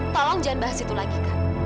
tolong jangan bahas itu lagi